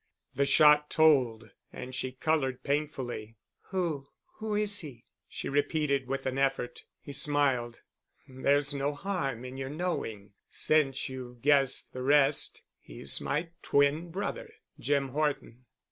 The shot told and she colored painfully. "Who—who is he?" she repeated with an effort. He smiled. "There's no harm in your knowing, since you've guessed the rest. He's my twin brother, Jim Horton."